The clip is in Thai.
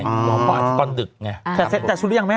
รอห้อก่อนดึกไง